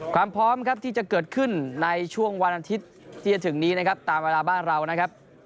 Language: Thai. ความพร้อมครับที่จะเกิดขึ้นในช่วงวันอาทิตย์ที่จะถึงนี้นะครับตามเวลาบ้านเรานะครับ